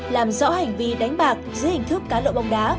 làm rõ hành vi đánh bạc dưới hình thức cá lộ bong đá